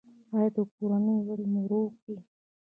ایا د کورنۍ غړي مو روغ دي؟